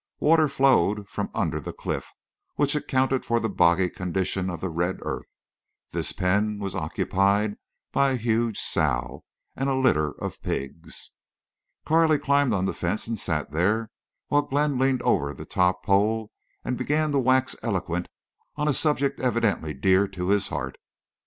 Water flowed from under the cliff, which accounted for the boggy condition of the red earth. This pen was occupied by a huge sow and a litter of pigs. Carley climbed on the fence and sat there while Glenn leaned over the top pole and began to wax eloquent on a subject evidently dear to his heart.